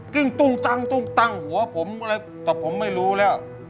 ึ้งตุ้งตั้งตุ้งตั้งหัวผมอะไรแต่ผมไม่รู้แล้ว